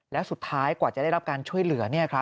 แล้วสุดท้ายกว่าจะได้รับการช่วยเหลือ